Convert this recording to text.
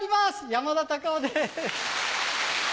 山田隆夫です。